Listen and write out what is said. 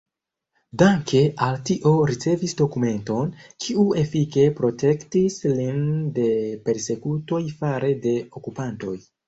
Danke al tio ricevis dokumenton, kiu efike protektis lin de persekutoj fare de okupantoj.